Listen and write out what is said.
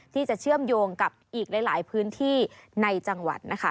ที่จะเชื่อมโยงกับอีกหลายพื้นที่ในจังหวัดนะคะ